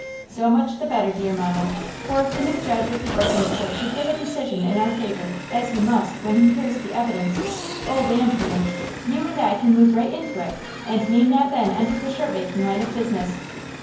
"So much the better, dear mamma, for if the new judge of the Orphans' Court should give a decision in our favor, as he must, when he hears the evidence, old and new, you and I can move right into it and need not then enter the shirt making line of business!"